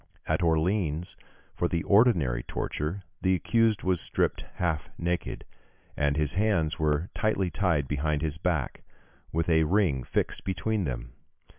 At Orleans, for the ordinary torture the accused was stripped half naked, and his hands were tightly tied behind his back, with a ring fixed between them.